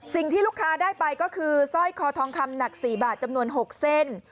สิ่งที่ลูกค้าได้ไปก็คือสร้อยคอทองคำหนัก๔บาทจำนวน๖เส้น